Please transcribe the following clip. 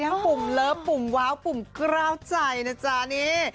ปุ่มเลิฟปุ่มว้าวปุ่มกล้าวใจนะจ๊ะนี่